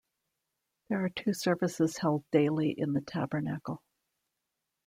There are two services held daily in the tabernacle.